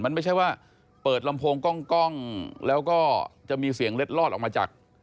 มันไม่ใช่ว่าเปิดลำโพงกล้องแล้วก็จะมีเสียงเล็ดลอดออกมาจาก